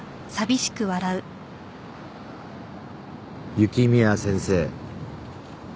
雪宮先生